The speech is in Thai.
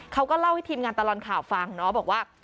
เขาก็เล่าให้ทีมงานตลอดข่าวฟังเนาะบอกว่า